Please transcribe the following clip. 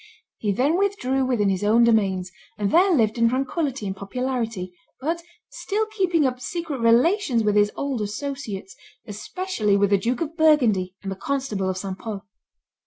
He then withdrew within his own domains, and there lived in tranquillity and popularity, but still keeping up secret relations with his old associates, especially with the Duke of Burgundy and the constable of St. Pol.